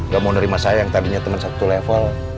gak mau nerima saya yang tadinya teman satu level